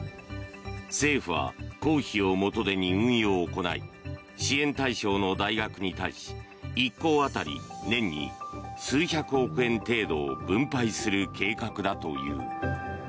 政府は公費を元手に運用を行い支援対象の大学に対し１校当たり、年に数百億円程度を分配する計画だという。